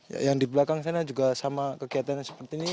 ya yang di belakang sana juga sama kegiatannya seperti ini